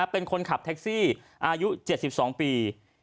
เป็นคนขับแท็กซี่อายุ๗๒ปี